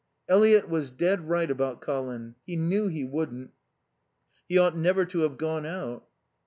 "Eliot was dead right about Colin. He knew he wouldn't. He ought never to have gone out."